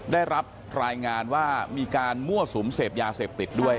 ได้รับรายงานว่ามีการมั่วสุมเสพยาเสพติดด้วย